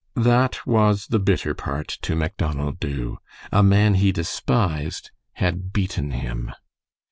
That was the bitter part to Macdonald Dubh. A man he despised had beaten him.